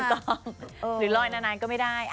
ถูกต้องหรือลอยนานานก็ไม่ได้